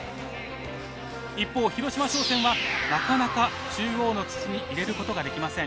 一方広島商船はなかなか中央の筒に入れることができません。